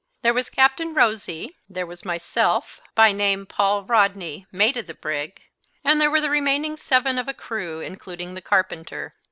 There was Captain Rosy; there was myself, by name Paul Rodney, mate of the brig; and there were the remaining seven of a crew, including the carpenter.